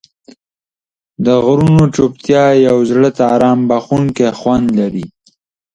د غرونو چوپتیا یو زړه ته آرام بښونکی خوند لري.